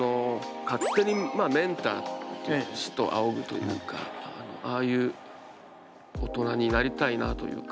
勝手にメンター師と仰ぐというかああいう大人になりたいなというか。